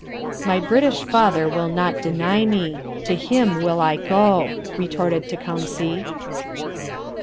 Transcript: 'My British father will not deny me; to him will I go,' retorted Tecumseh.